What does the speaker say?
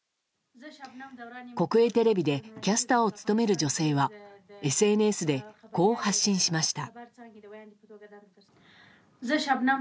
国営テレビでキャスターを務める女性はＳＮＳでこう発信しました。